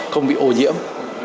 không bị ô nhiễm